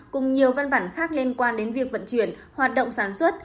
cùng nhiều văn bản khác liên quan đến việc vận chuyển hoạt động sản xuất